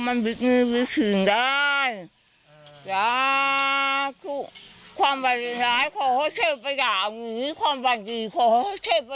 แล้วตอนนี้อายุยืนมั้ยครับ